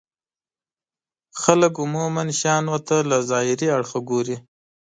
خلک عموما شيانو ته له ظاهري اړخه ګوري.